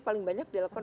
paling banyak dilakukan